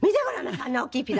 あんな大きいピザ」。